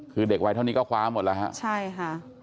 คือเด็กวัยเท่านี้ก็คว้าหมดแล้วฮะใช่ค่ะ